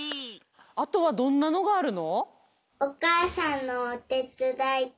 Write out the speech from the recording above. あとはどんなのがあるの？